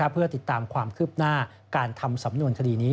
เพื่อติดตามความคืบหน้าการทำสำนวนคดีนี้